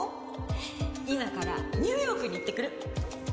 今からニューヨークに行ってくる！